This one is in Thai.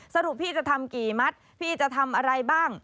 สรุปพี่จะทำกี่มัดพี่จะทำอะไรบ้าง